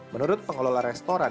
menurut pengelola restoran